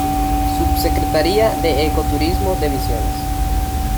Subsecretaría de Ecoturismo de Misiones